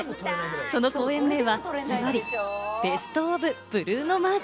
その公演名はズバリ、ベスト・オブ・ブルーノ・マーズ。